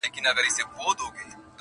سبا به نه وي لکه نه وو زېږېدلی چنار،